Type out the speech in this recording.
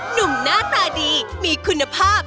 หนุ่มหน้าตาดีมีคุณภาพ